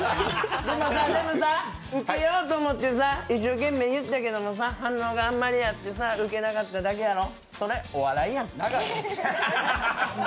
でもさ、ウケようと思って一生懸命言ったけどさ、反応があんまりやってさ、ウケなかっただけやろ、それお笑いやん。